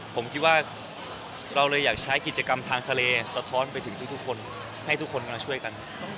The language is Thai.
ผมคิดว่าเราเลยอยากใช้กิจกรรมทางทะเลสะท้อนไปถึงทุกคนให้ทุกคนกำลังช่วยกัน